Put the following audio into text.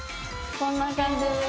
こんな感じです。